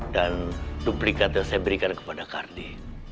dan duplikat yang saya berikan kepada kardi